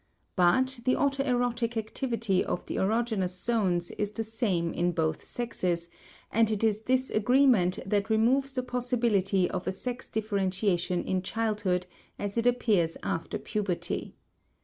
But, the autoerotic activity of the erogenous zones is the same in both sexes, and it is this agreement that removes the possibility of a sex differentiation in childhood as it appears after puberty.